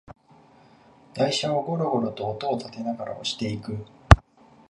台車をゴロゴロと音をたてながら押していく